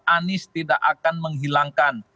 anies tidak akan menghilangkan